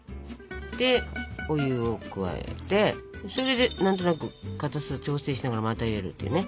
でお湯を加えてそれで何となくかたさ調整しながらまた入れるっていうね。